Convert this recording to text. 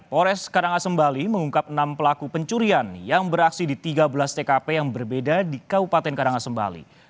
pores karangasembali mengungkap enam pelaku pencurian yang beraksi di tiga belas tkp yang berbeda di kaupaten karangasembali